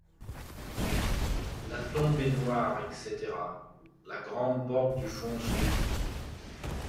La tombe est noire, etc. La grande porte du fond s’ouvre.